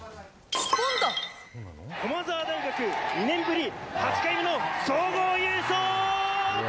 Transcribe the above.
駒澤大学、２年ぶり、８回目の総合優勝。